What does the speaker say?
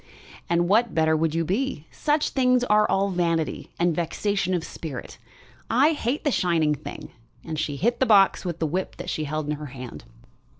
"And what better would you be? Such things are all vanity and vexation of spirit. I hate the shining thing." And she hit the box with the whip she held in her hand.